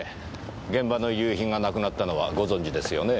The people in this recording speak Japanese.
現場の遺留品がなくなったのはご存じですよねぇ。